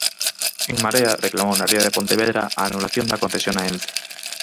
En Marea reclamou na ría de Pontevedra a anulación da concesión a Ence.